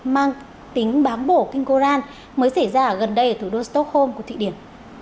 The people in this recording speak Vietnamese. mang tính bán bổ kinh koran mới xảy ra gần đây ở thủ đô stockholm của thụy điển